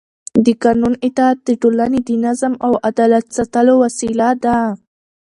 د قانون اطاعت د ټولنې د نظم او عدالت ساتلو وسیله ده